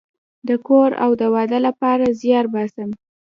د کور او د واده لپاره زیار باسم